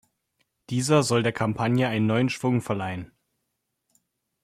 Dieser soll der Kampagne einen neuen Schwung verleihen.